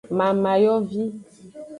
Mamayovi.